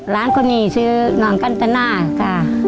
ร้านคนนี้ชื่อน้องกันตนาค่ะ